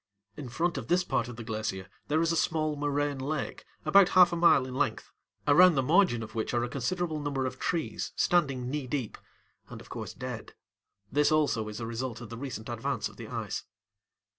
In front of this part of the glacier there is a small moraine lake about half a mile in length, around the margin of which are a considerable number of trees standing knee deep, and of course dead. This also is a result of the recent advance of the ice.